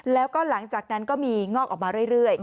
แล้วก็หลังจากนั้นก็มีงอกออกมาเรื่อย